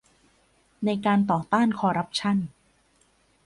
ในการต่อต้านคอร์รัปชั่น